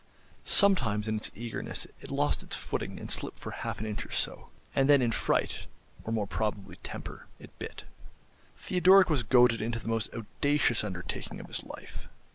Sometimes in its eagerness it lost its footing and slipped for half an inch or so; and then, in fright, or more probably temper, it bit. Theodoric was goaded into the most audacious undertaking of his life.